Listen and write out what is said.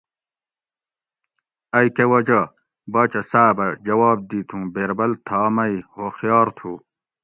ائ کۤہ وجہ؟ باچہ صاحبہ جواب دِیت ھوں بیربل تھا مئ ھوخیار تھو